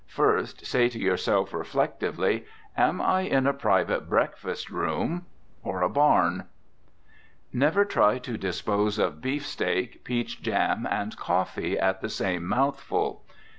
First, say to yourself reflectively, "Am I in a private breakfast room or a barn?" Never try to dispose of beefsteak, peach jam and coffee at the same mouthful.